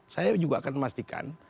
saya juga akan memastikan